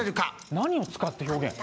何を使って表現？